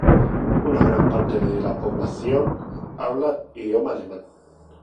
Una gran parte de la población habla idioma alemán.